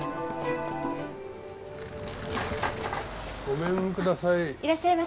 ごめんください。